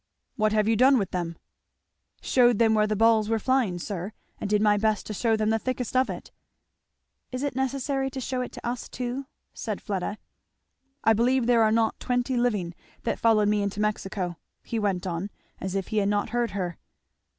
"What have you done with them?" "Shewed them where the balls were flying, sir, and did my best to shew them the thickest of it." "Is it necessary to shew it to us too?" said Fleda. "I believe there are not twenty living that followed me into Mexico," he went on, as if he had not heard her.